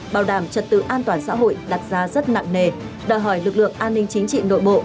bảo đảm trật tự an toàn xã hội đặt ra rất nặng nề đòi hỏi lực lượng an ninh chính trị nội bộ